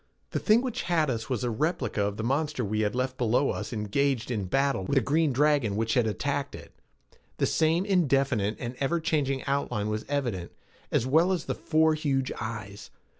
The thing which had us was a replica of the monster we had left below us engaged in battle with the green dragon which had attacked it. The same indefinite and ever changing outline was evident, as well as the four huge eyes.